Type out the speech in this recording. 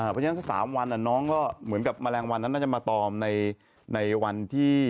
เป็นอย่างนั้น๓วันน้องก็เหมือนกับมะแรงวันนั้นก็จะมาตอบในในวันที่